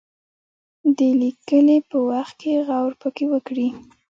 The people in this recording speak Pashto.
د لیکني په وخت کې غور پکې وکړي.